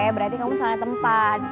berarti kamu salah tempat